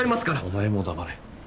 お前も黙れ。